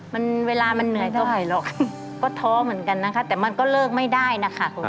มันเวลามันเหนื่อยเท่าไหร่หรอกก็ท้อเหมือนกันนะคะแต่มันก็เลิกไม่ได้นะคะ